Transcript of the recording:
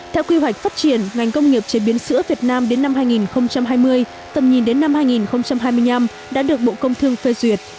theo quy hoạch phát triển ngành công nghiệp chế biến sữa việt nam đến năm hai nghìn hai mươi tầm nhìn đến năm hai nghìn hai mươi năm đã được bộ công thương phê duyệt